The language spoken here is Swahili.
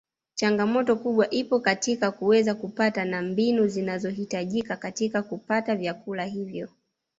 Changamoto kubwa ipo katika kuweza kupata na mbinu zinazohitajika katika kupata vyakula hivyo